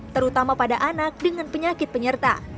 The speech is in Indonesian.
terutama pada anak dengan penyakit penyerta